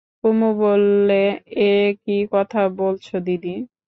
কুমু বললে, এ কী কথা বলছ দিদি!